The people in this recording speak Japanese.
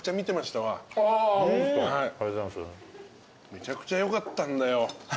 めちゃくちゃ良かったんだよ。